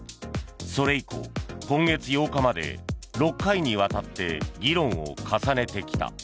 それ以降、今月８日まで６回にわたって議論を重ねてきた。